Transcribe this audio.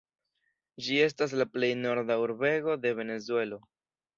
Ĝi estas la plej norda urbego de Venezuelo.